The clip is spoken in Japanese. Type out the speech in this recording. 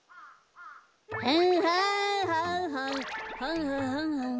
はんはんはんはんはんははんはん。